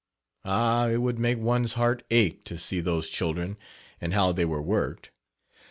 Ah! it would make one's heart ache to see those children and how they were worked.